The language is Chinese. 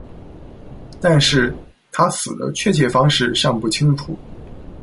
但是，他死的确切方式尚不清楚。